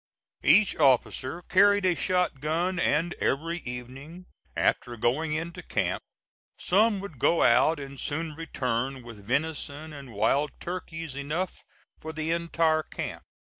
Each officer carried a shot gun, and every evening, after going into camp, some would go out and soon return with venison and wild turkeys enough for the entire camp.